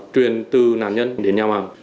truyền từ nạn nhân đến nhà mạng